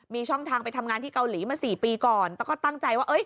มีช่องทางไปทำงานที่เกาหลีมาสี่ปีก่อนแล้วก็ตั้งใจว่าเอ้ย